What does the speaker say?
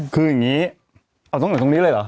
คืออย่างนี้เอาตรงไหนตรงนี้เลยเหรอ